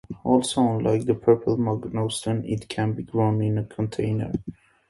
Also unlike the purple mangosteen, it can be grown in a container.